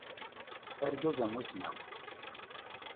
Argaz amussnaw.